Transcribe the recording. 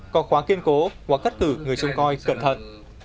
có khóa kiên cố hoặc cất tử người chung coi cẩn thận